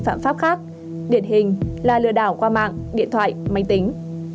vì phạm pháp khác điện hình là lừa đảo qua mạng điện thoại máy tính